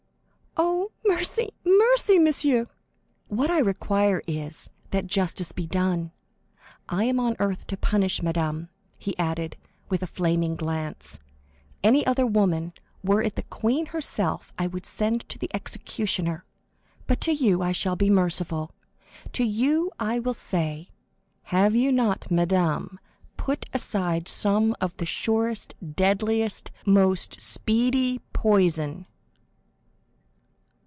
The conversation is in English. "Oh, mercy, mercy, monsieur!" "What I require is, that justice be done. I am on the earth to punish, madame," he added, with a flaming glance; "any other woman, were it the queen herself, I would send to the executioner; but to you I shall be merciful. To you I will say, 'Have you not, madame, put aside some of the surest, deadliest, most speedy poison?